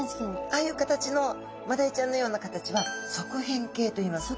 ああいう形のマダイちゃんのような形は側扁形といいます。